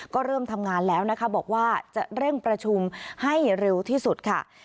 ก็เริ่มทำงานแล้วนะคะบอกว่าจะเร่งประชุมให้เร็วที่สุดค่ะ